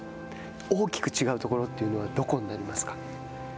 大きく違うところというのは、どこになりますか。